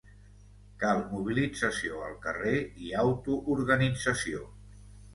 Cal mobilització al carrer i autoorganització